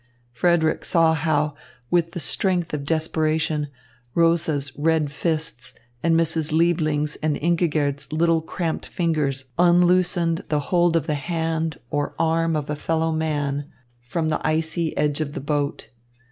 Frederick saw how, with the strength of desperation, Rosa's red fists and Mrs. Liebling's and Ingigerd's little cramped fingers unloosened the hold of the hand or arm of a fellow man from the icy edge of the boat.